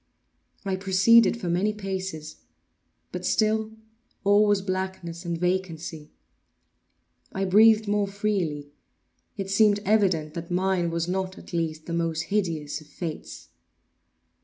I proceeded for many paces; but still all was blackness and vacancy. I breathed more freely. It seemed evident that mine was not, at least, the most hideous of fates.